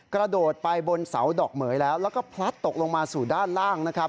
กระโดดไปบนเสาดอกเหมือยแล้วแล้วก็พลัดตกลงมาสู่ด้านล่างนะครับ